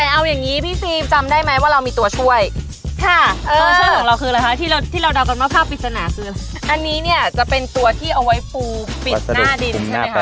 ส่องแปลงส่องแผ่นด้วยกันค่ะ